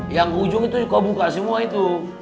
yang ujung itu kau buka semua itu